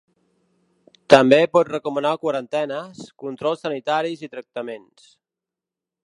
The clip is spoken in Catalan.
També pot recomanar quarantenes, controls sanitaris i tractaments.